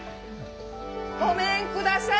ごめんください。